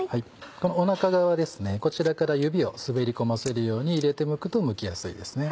このお腹側こちらから指を滑り込ませるように入れてむくとむきやすいですね。